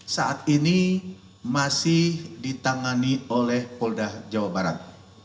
saat ini masih ditangani oleh polda jawa barat